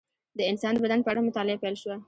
د انسان د بدن په اړه مطالعه پیل شوه.